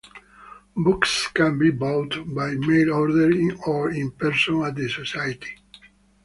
Books can be bought by mail-order or in person at the Society.